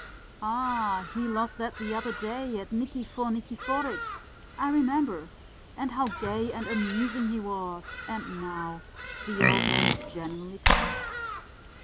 "Ah, he lost that the other day at Nikifor Nikiforitch's. I remember. And how gay and amusing he was and now!" The old man was genuinely touched.